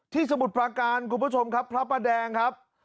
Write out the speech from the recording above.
สมุทรปราการคุณผู้ชมครับพระประแดงครับ